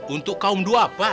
untuk kaum dua pak